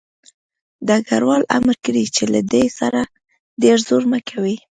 ډګروال امر کړی چې له ده سره ډېر زور مه کوئ